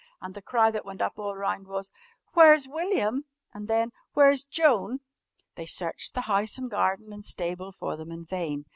And the cry that went up all round was: "Where's William?" And then: "Where's Joan?" They searched the house and garden and stable for them in vain.